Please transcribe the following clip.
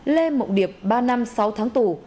lê mộng điệp ba năm sáu tháng tù